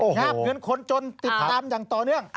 งาบเงินคนจนติดตามอย่างต่อเนื่อง